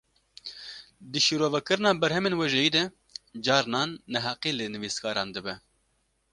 Di şîrovekirina berhemên wêjeyî de, carnan neheqî li nivîskaran dibe